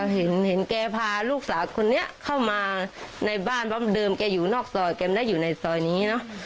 เห็นแกพาลูกสาวคนนี้เข้ามาในบ้านว่าเดิมแกอยู่นอกซอยแกไม่ได้อยู่ในซอยนี้เนอะ